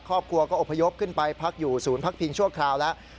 ครอบครัวก็อบพยพขึ้นไปพักอยู่ศูนย์พักพิงชั่วคราวแล้ว